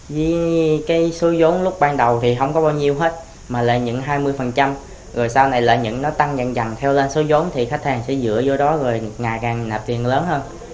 với cái số giống lúc ban đầu thì không có bao nhiêu hết mà là những hai mươi rồi sau này là nó tăng dần dần theo lên số giống thì khách hàng sẽ dựa vô đó rồi ngày càng nạp tiền lớn hơn